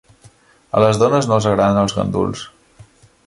A les dones no els agraden els ganduls.